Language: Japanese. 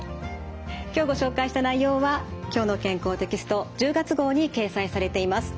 今日ご紹介した内容は「きょうの健康」テキスト１０月号に掲載されています。